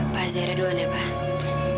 pak zero duluan ya pak